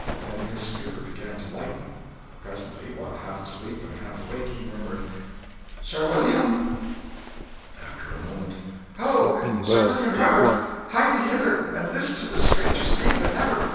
Then his stupor began to lighten. Presently, while half asleep and half awake, he murmured "Sir William!" After a moment "Ho, Sir William Herbert! Hie thee hither, and list to the strangest dream that ever ...